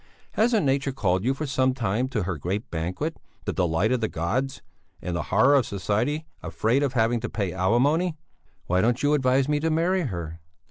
Hasn't nature called you for some time to her great banquet, the delight of the gods and the horror of society afraid of having to pay alimony?" "Why don't you advise me to marry her?"